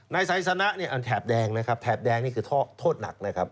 นายสายสนะแถบแดงนะครับแถบแดงนี่คือโทษหนักนะครับ